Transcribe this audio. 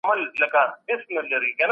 د پيغمبر خبره زموږ لپاره دليل دی.